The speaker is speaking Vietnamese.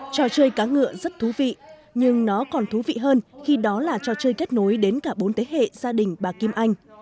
trò chơi cá ngựa rất thú vị nhưng nó còn thú vị hơn khi đó là trò chơi kết nối đến cả bốn thế hệ gia đình bà kim anh